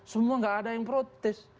semua nggak ada yang protes